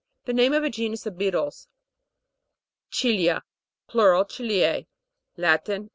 Name of a genus of beetles. CIL'IA. Plural, ciliae. Latin.